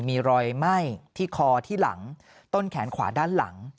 มีรอยไหม้ที่คอที่หลังต้นแขนขวาด้านหลัง